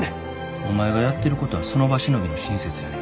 お前がやってることはその場しのぎの親切やねん。